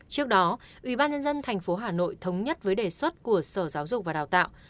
trước đó ubnd tp hà nội thống nhất với đề xuất của sở giáo dục và đào tạo